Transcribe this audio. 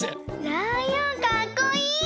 ライオンかっこいい！